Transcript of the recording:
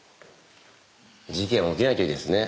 事件起きなきゃいいですね。